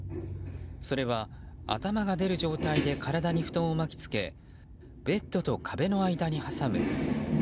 それは、頭が出る状態で体に布団を巻き付けベッドと壁の間に挟む。